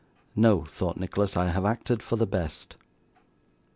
'No,' thought Nicholas, 'I have acted for the best.